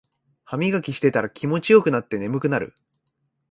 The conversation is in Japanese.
ハミガキしてたら気持ちよくなって眠くなる